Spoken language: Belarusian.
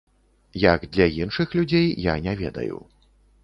Як для іншых людзей, я не ведаю.